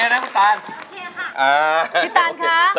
พี่ตานคะ